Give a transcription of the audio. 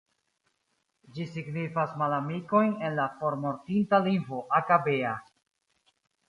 Ĝi signifas "malamikojn" en la formortinta lingvo Aka-Bea.